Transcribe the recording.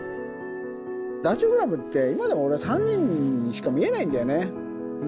ダチョウ倶楽部って、今でも俺は３人にしか見えないんだよね。